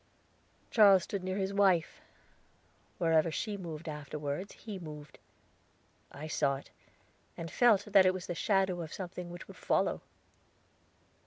Charles stood near his wife; wherever she moved afterwards he moved. I saw it, and felt that it was the shadow of something which would follow.